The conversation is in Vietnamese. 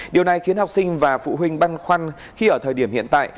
điều này khiến học sinh và phụ huynh băn khoăn khi ở thời điểm hiện tại